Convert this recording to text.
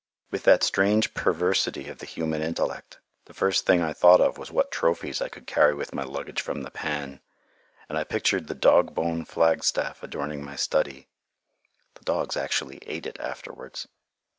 With that strange perversity of the human intellect, the first thing I thought of was what trophies I could carry with my luggage from the pan, and I pictured the dog bone flagstaff adorning my study. (The dogs actually ate it afterwards.)